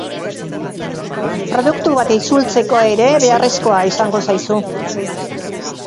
Produktu bat itzultzeko ere beharrezkoa izango zaizu.